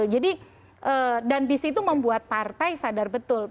jadi dan disitu membuat partai sadar betul